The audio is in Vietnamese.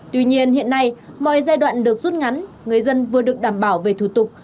tuy nhiên hiện nay mọi giai đoạn được rút ngắn người dân vừa được đảm bảo về thủ tục